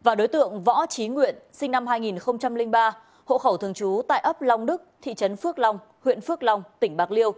và đối tượng võ trí nguyện sinh năm hai nghìn ba hộ khẩu thường trú tại ấp long đức thị trấn phước long huyện phước long tỉnh bạc liêu